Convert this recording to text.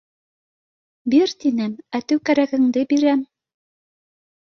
— Бир тинем, әтеү кәрәгеңде бирәм!